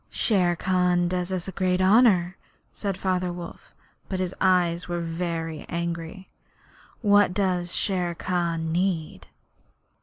'Shere Khan does us great honour,' said Father Wolf, but his eyes were very angry. 'What does Shere Khan need?'